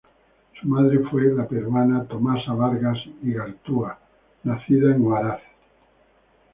Su madre fue la peruana Tomasa Bargas Igartua, nacida en Huaraz.